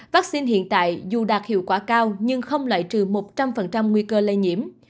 vaccine hiện tại dù đạt hiệu quả cao nhưng không loại trừ một trăm linh nguy cơ lây nhiễm